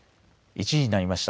１時になりました。